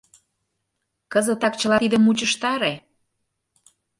— Кызытак чыла тидым мучыштаре!